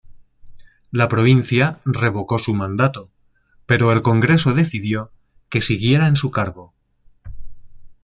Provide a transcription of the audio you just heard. La provincia revocó su mandato, pero el congreso decidió que siguiera en su cargo.